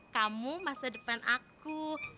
kamu masa depan aku